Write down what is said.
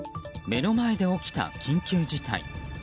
目の前で起きた緊急事態。